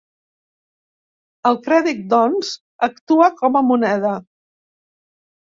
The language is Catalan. El crèdit doncs, actua com a moneda.